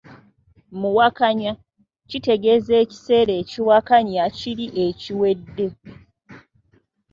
Muwakanya; kitegeeza ekiseera ekiwakanya kiri ekiwedde.